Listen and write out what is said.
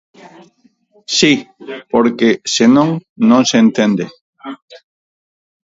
Si, porque, se non, non se entende.